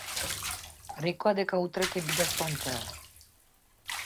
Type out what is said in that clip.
Рекоа дека утре ќе биде сончево.